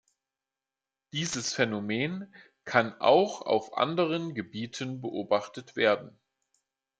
Dieses Phänomen kann auch auf anderen Gebieten beobachtet werden.